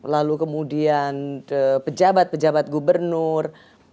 lalu kemudian pejabat pejabat gubernur